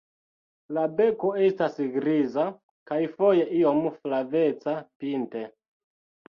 La beko estas griza kaj foje iom flaveca pinte.